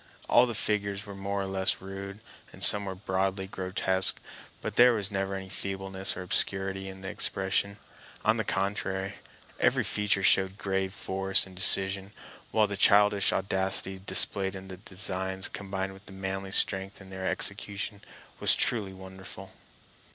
All the figures were more or less rude, and some were broadly grotesque, but there was never any feebleness or obscurity in the expression. On the contrary, every feature showed grave force and decision; while the childish audacity displayed in the designs, combined with manly strength in their execution, was truly wonderful.